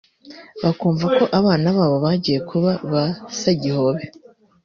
bakumva ko abana babo bagiye kuba ba “sagihobe”